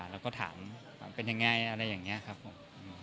แล้วก็ถามเป็นยังไงอะไรอย่างนี้ครับผม